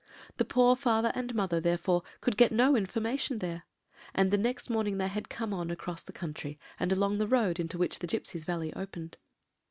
"The poor father and mother, therefore, could get no information there; and the next morning they had come on across the country, and along the road into which the gipsies' valley opened.